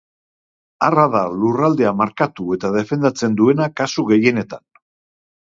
Arra da lurraldea markatu eta defendatzen duena kasu gehienetan.